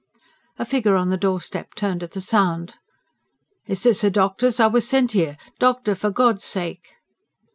A figure on the doorstep turned at the sound. "Is this a doctor's? I wuz sent here. Doctor! for God's sake